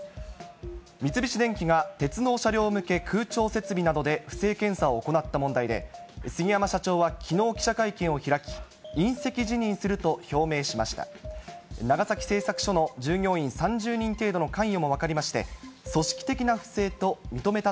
三菱電機が鉄の車両向け空調設備などで、不正検査を行った問題で、杉山社長はきのう記者会見を開き、引責辞任すると表明しました。